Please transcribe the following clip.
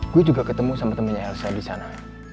gue juga ketemu sama temennya elsa disana